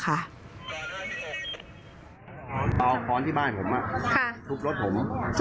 ถ้าเอาข้อนที่บ้านผมตุ๊บรถผม